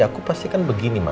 aku pasti kan begini ma